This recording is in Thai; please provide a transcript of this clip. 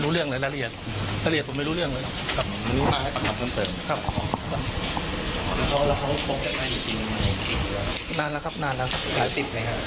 ถึงครับผมเขาระเกิดก่อนได้ได้